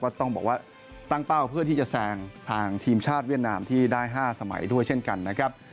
ต้องบอกว่าตั้งเป้าเพื่อที่จะแซงทางทีมชาติเวียดนามที่ได้๕สมัยด้วยเช่นกันนะครับ